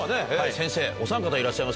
先生おさん方いらっしゃいます。